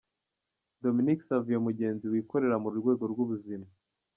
Dominique Savio Mugenzi wikorera mu rwego rw’ubuzima.